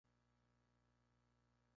Cuenta con tres plantas de altura.